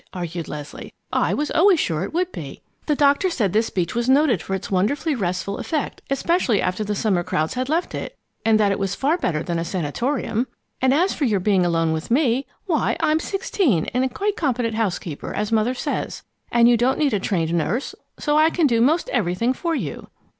argued Leslie. "I was always sure it would be. The doctor said this beach was noted for its wonderfully restful effect, especially after the summer crowds had left it, and that it was far better than a sanatorium. And as for your being alone with me why I'm sixteen and a quite competent housekeeper, as Mother says. And you don't need a trained nurse, so I can do most everything for you."